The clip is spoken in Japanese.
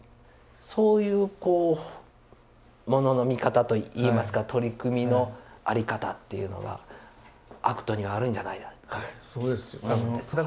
そういうこうものの見方といいますか取り組みの在り方っていうのはＡＣＴにはあるんじゃないかと思うんですが。